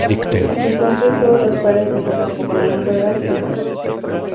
Hasta entonces todos los pares de zapatos del mundo eran iguales.